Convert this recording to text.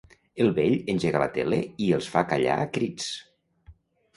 El vell engega la tele i els fa callar a crits.